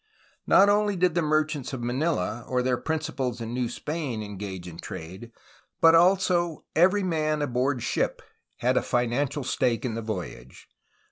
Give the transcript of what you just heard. Not only did the merchants of Manila, or their principals in New Spain, engage in trade, but also every man aboard ship had a financial stake in the voyage.